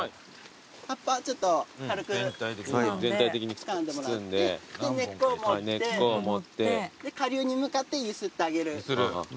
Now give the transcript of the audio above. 葉っぱちょっと軽くつかんでもらって根っこを持って下流に向かって揺すってあげる。